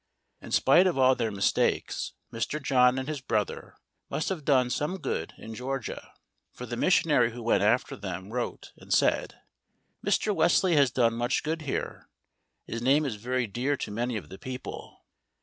In spite of all their mistakes Mr. John and his brother must have done some good in Georgia, for the missionary who went after them wrote and said: "Mr. Wesley has done much good here, his name is very dear to many of the people."